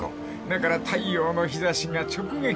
［だから太陽の日差しが直撃］